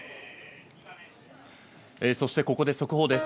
そして、ここで速報です。